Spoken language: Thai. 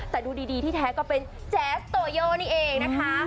แต่ดูดีที่แท้ก็เป็นแจ๊สโตโยนี่เองนะคะ